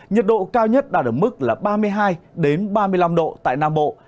nhiệt độ cao nhất đạt ở mức là ba mươi hai ba mươi năm độ tại nam bộ